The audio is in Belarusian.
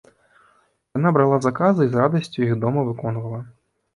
Яна брала заказы і з радасцю іх дома выконвала.